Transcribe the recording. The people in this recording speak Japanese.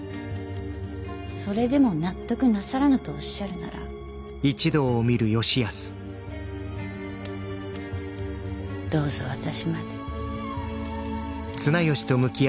それでも納得なさらぬとおっしゃるならどうぞ私まで。